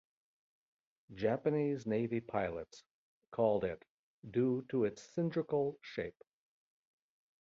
Japanese Navy pilots called it due to its cylindrical shape.